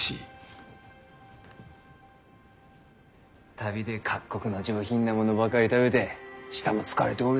旅で各国の上品なものばかり食べて舌も疲れておるだろう。